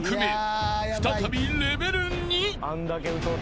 ［再びレベル２］